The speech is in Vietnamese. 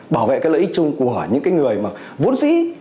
bảo vệ cái lợi ích chung của những người mà vốn sĩ